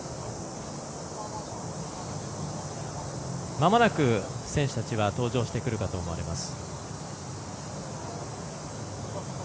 まもなく選手たちが登場してくるかと思います。